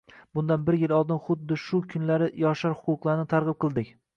Bundan bir yil oldin xuddi shu kunlari yoshlar huquqlarini targʻib qildik